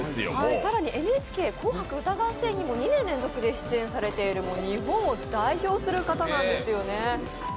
更にＮＨＫ「紅白歌合戦」にも２年連続で出場されているもう日本を代表する方なんですよね。